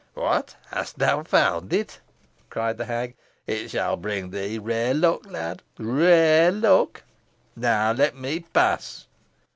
"What! hast thou found it?" cried the hag. "It shall bring thee rare luck, lad rare luck. Now let me pass."